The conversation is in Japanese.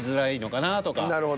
なるほど。